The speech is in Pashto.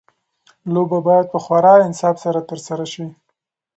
لوبه باید په خورا انصاف سره ترسره شي.